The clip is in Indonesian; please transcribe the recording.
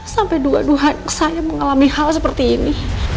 sampai dua dua saya mengalami hal seperti ini